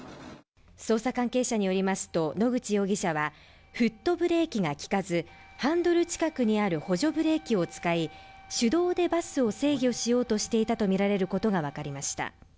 捜査関係者によりますと野口容疑者はフットブレーキが利かずハンドル近くにある補助ブレーキを使い手動でバスを制御しようとしていたと見られることが分かりました